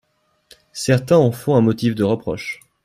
Certains en font un motif de reproche.